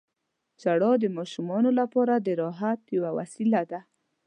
• ژړا د ماشومانو لپاره د راحت یوه وسیله ده.